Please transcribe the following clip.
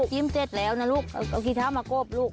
เสร็จแล้วนะลูกเอาขี้เท้ามากบลูก